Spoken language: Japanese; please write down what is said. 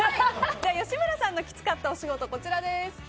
吉村さんのきつかったお仕事です。